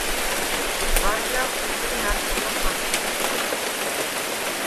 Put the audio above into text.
ვარგა̈ლს ესერ მა̈გ ხოლა ხაზნახ;